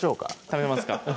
食べますか？